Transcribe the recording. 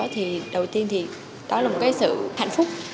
thì đầu tiên thì đó là một cái sự hạnh phúc